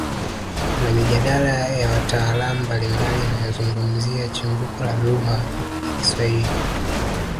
Kuna mijadala ya wataalamu mbalimbali inayozungumzia chimbuko la lugha ya Kiswahili